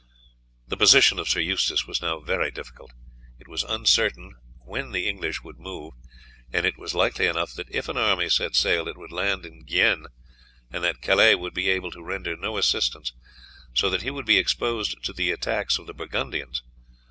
The position of Sir Eustace was now very difficult. It was uncertain when the English would move, and it was likely enough that if an army set sail it would land in Guienne, and that Calais would be able to render no assistance, so that he would be exposed to the attacks of the Burgundians.